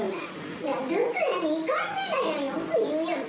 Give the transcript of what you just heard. いや、ずっとじゃないよ、２回目だよ、よく言うよ。